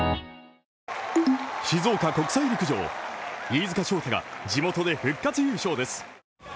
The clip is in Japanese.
静岡国際陸上、飯塚翔太が地元で復活優勝です。